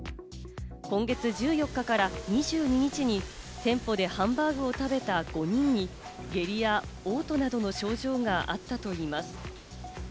今月１４日から２２日に店舗でハンバーグを食べた５人に下痢や嘔吐などの症状があったといいます。